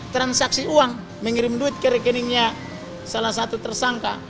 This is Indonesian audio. transaksi uang mengirim duit ke rekeningnya salah satu tersangka